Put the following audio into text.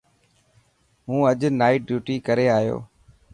هون اڄ نائٽ ڊيوٽي ڪري آيو.